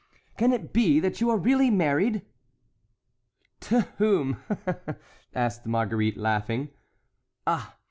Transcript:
can it be that you are really married?" "To whom?" asked Marguerite, laughing. "Ah!